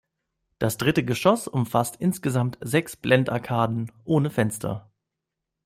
Das dritte Geschoss umfasst insgesamt sechs Blendarkaden, ohne Fenster.